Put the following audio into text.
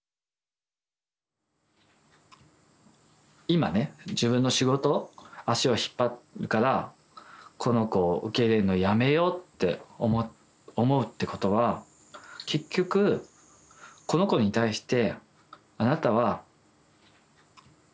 今ね自分の仕事足を引っ張るからこの子を受け入れるのやめようって思うってことは結局この子に対して「あなたは私の仕事の邪魔になる。